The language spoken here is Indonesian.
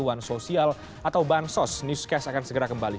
atau bang sos newscast akan segera kembali